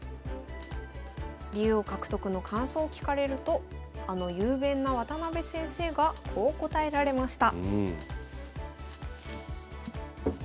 竜王獲得の感想を聞かれるとあの雄弁な渡辺先生がこう答えられました。